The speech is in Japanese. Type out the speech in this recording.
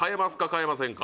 変えませんか？